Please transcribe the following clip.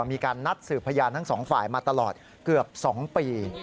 มีการนัดสืบพยานทั้งสองฝ่ายมาตลอดเกือบ๒ปี